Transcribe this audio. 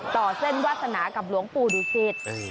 ต่อเส้นวาสนากับหลวงปู่ดุสิต